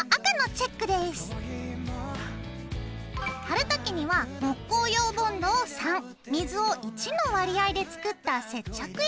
貼る時には木工用ボンドを３水を１の割合で作った接着液を使うよ。